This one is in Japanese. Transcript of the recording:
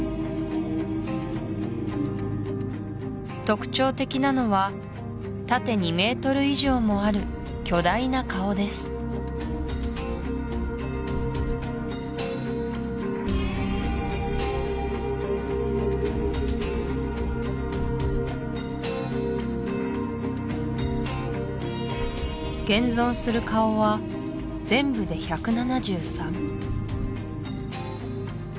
特徴的なのは縦２ｍ以上もある巨大な顔です現存する顔は全部で１７３